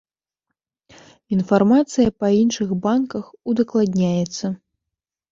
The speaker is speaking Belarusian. Інфармацыя па іншых банках удакладняецца.